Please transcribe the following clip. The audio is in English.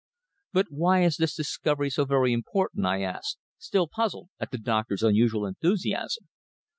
"But why is the discovery so very important?" I asked, still puzzled at the doctor's unusual enthusiasm.